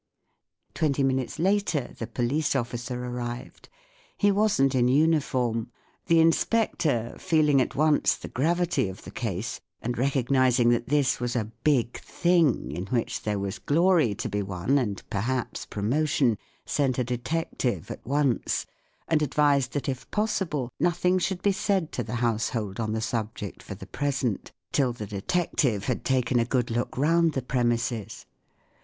Twenty minutes later the police officer arrived. He wasn't m uniforrm The inspector. UNIVERSITY OF MICHIGAN 1 THE GREAT RUBY ROBBERY. feeling at once the gravity of the case, and recognising that this was a Big Thing, in which there was glory to be won, and perhaps promotion, sent a detective at once, and advised that if possible nothing should be said to the household on the subject for the pre¬ sent, till the detective had taken a good look round the premises.